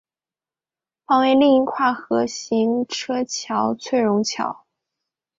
旁为另一跨河行车桥翠榕桥。